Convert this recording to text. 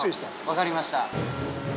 分かりました。